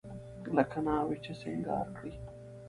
لکه ناوې چې سينګار کړې.